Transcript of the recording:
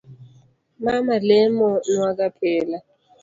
Mama lemo nwaga pile